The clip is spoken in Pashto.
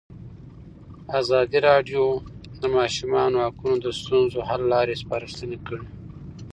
ازادي راډیو د د ماشومانو حقونه د ستونزو حل لارې سپارښتنې کړي.